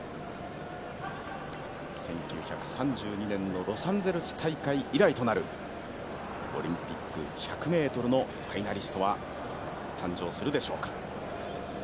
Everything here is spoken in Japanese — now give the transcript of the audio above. １９３２年のロサンゼルス大会以来となるオリンピック１００ｍのファイナリストは誕生するでしょうか。